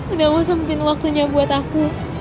udah mau samperin waktunya buat aku